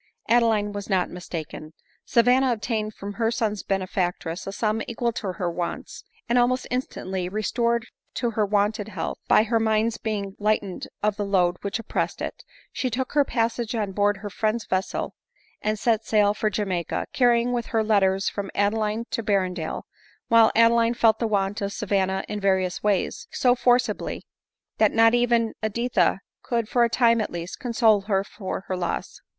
Adeline was not mistaken. Savanna obtained from her son's benefactress a sum equal to her wants ; and almost instantly restored to her wonted health, by her mind's being lightened of the load which oppressed it, she took her passage on board her friend's vessel, and set sail for Jamaica, carrying with her letters from Ade line to Berrendale; while Adeline felt the want of Sa^ vanna in various ways, so forcibly, that not even Editha could, for a time at least, console her for her loss.